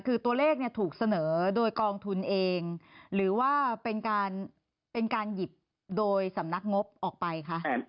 คือตัวเลขถูกเสนอโดยกองทุนเองหรือว่าเป็นการหยิบโดยสำนักงบออกไปคะ